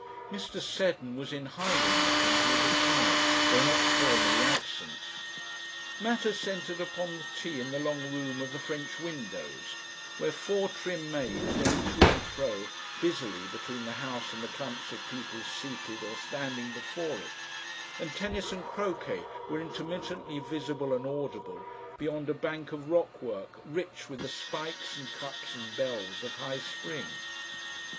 Mr. Seddon was in hiding, I think, all the time, though not formally absent. Matters centred upon the tea in the long room of the French windows, where four trim maids went to and fro busily between the house and the clumps of people seated or standing before it; and tennis and croquet were intermittently visible and audible beyond a bank of rockwork rich with the spikes and cups and bells of high spring.